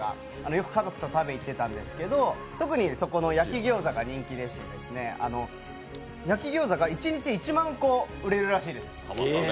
よく家族と食べにいってたんですけど特にそこの焼餃子が人気でして、焼餃子が一日１万個、売れるそうです。